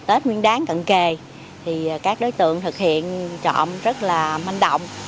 tết nguyên đáng cận kề thì các đối tượng thực hiện trộm rất là manh động